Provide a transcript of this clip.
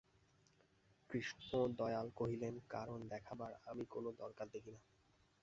কৃষ্ণদয়াল কহিলেন, কারণ দেখাবার আমি কোনো দরকার দেখি নে।